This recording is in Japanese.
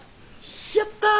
やった。